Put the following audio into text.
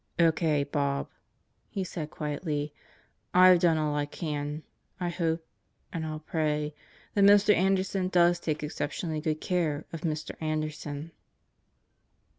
"O.K., Bob," he said quietly. "I've done all I can. I hope and I'll pray that Mr. Anderson does take exceptionally good care of Mr. Anderson."